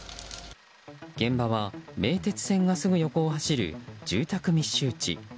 現場は名鉄線がすぐ横を走る住宅密集地。